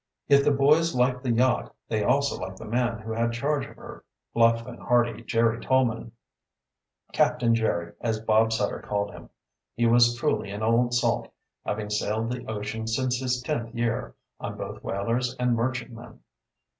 If the boys liked the yacht they also liked the man who had charge of her, bluff and hearty Jerry Tolman Captain Jerry, as Bob Sutter called him. He was truly an old salt, having sailed the ocean since his tenth year, on both whalers and merchantmen.